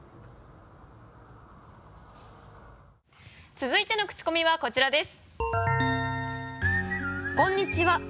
続いてのクチコミはこちらです。